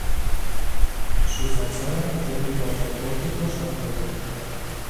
Su fachada tiene cuatro pórticos arqueados.